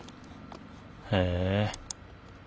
へえ。